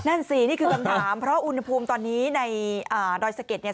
นั่นสินี่คือคำถามเพราะอุณหภูมิตอนนี้ในดอยสะเก็ดเนี่ย